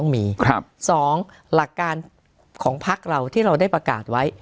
มีครับสองหลักการของภพเราที่เราได้ประกาศไว้